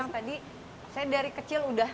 tadi saya dari kecil udah